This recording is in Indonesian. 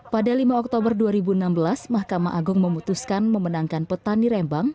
pada lima oktober dua ribu enam belas mahkamah agung memutuskan memenangkan petani rembang